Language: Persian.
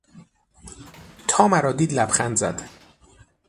تا مرا دید لبخند زد.